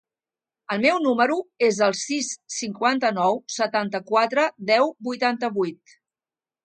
El meu número es el sis, cinquanta-nou, setanta-quatre, deu, vuitanta-vuit.